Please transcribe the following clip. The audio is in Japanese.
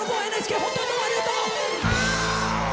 本当にどうもありがとう！